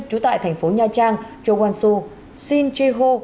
chú tại thành phố nha trang châu quang xu xin chê hô